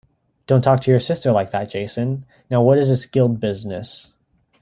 Don't talk to your sister like that Jason, now what is this guild business?